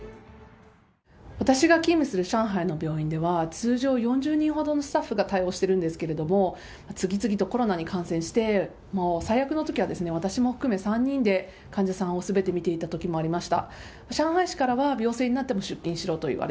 私が勤務する上海の病院では、通常４０人ほどのスタッフが対応してるんですけれども、次々とコロナに感染して、もう最悪のときは私も含め３人で患者さんをすべてみていたときもありました。